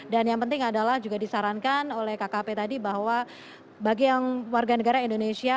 dan yang penting adalah juga disarankan oleh kkp tadi bahwa bagi yang warga negara indonesia